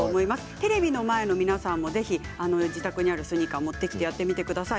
テレビの前の皆さんもぜひ自宅にあるスニーカーを持ってきてやってみてください。